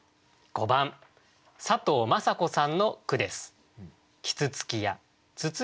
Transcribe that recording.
５番佐藤マサ子さんの句です。